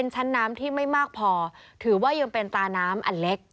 ชั้นน้ำที่ไม่มากพอถือว่ายังเป็นตาน้ำอันเล็ก